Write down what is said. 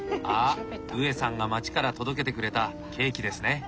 あっウエさんが町から届けてくれたケーキですね。